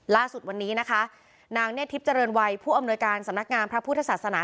ล่าสุดวันนี้นะคะนางเนธทิพย์เจริญวัยผู้อำนวยการสำนักงานพระพุทธศาสนา